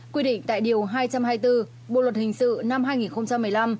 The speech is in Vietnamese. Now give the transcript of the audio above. quy định tại điều hai trăm hai mươi bốn bộ luật hình sự năm hai nghìn một mươi năm